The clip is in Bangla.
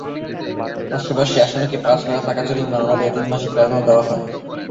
পাশাপাশি আসামিকে পাঁচ হাজার টাকা জরিমানা, অনাদায়ে তিন মাসের কারাদণ্ড দেওয়া হয়।